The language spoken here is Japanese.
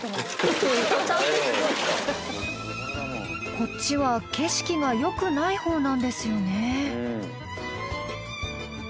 こっちは景色がよくないほうなんですよね。